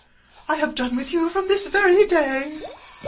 I have done with you from this very day.